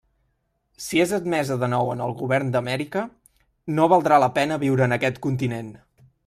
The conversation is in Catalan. Si és admesa de nou en el govern d'Amèrica, no valdrà la pena viure en aquest continent.